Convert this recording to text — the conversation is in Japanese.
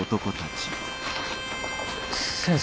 先生。